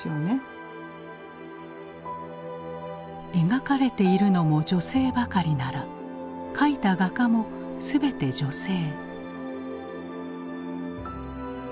描かれているのも女性ばかりなら描いた画家もすべて女性。